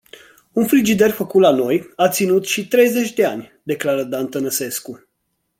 Un frigider făcut la noi a ținut și treizeci de ani declară Dan Tănăsescu.